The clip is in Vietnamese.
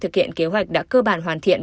thực hiện kế hoạch đã cơ bản hoàn thiện